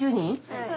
はい。